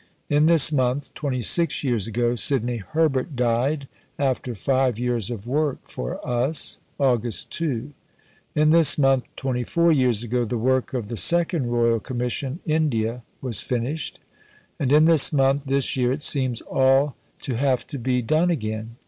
In this month 26 years ago, Sidney Herbert died, after five years of work for us (Aug. 2). In this month 24 years ago, the work of the second Royal Commission (India) was finished. And in this month this year it seems all to have to be done again.